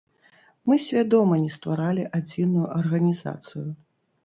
Мы свядома не стваралі адзіную арганізацыю.